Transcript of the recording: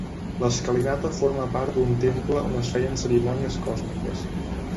L'escalinata forma part d'un temple on es feien cerimònies còsmiques.